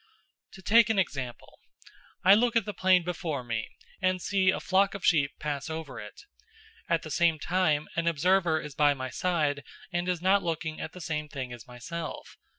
To take an example: I look at the plain before me, and see a flock of sheep pass over it. At the same time an observer is by my side and is not looking at the same thing as myself.